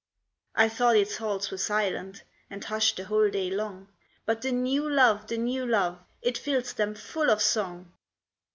I thought its halls were silent, And hushed the whole day long; But the new love, the new love, It fills them full of song.